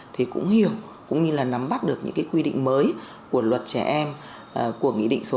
thì cũng hiểu cũng như là nắm bắt được những cái quy định mới của luật trẻ em của nghị định số tám